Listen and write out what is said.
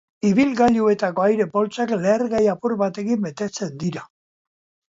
Ibilgailuetako aire-poltsak lehergai apur batekin betetzen dira.